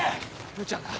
むちゃだ。